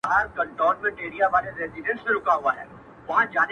مکاري سترګي د رقیب دي سیوری ونه ویني -